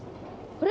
これ？